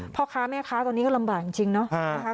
พ่อค้าแม่ค้าตอนนี้ก็ลำบากจริงเนาะนะคะ